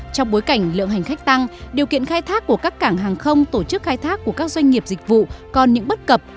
trong bối cảnh lượng hành khách tăng điều kiện khai thác của các cảng hàng không tổ chức khai thác của các doanh nghiệp dịch vụ còn những bất cập